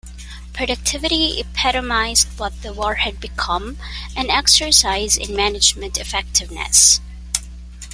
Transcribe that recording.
Productivity epitomized what the war had become: an exercise in management effectiveness.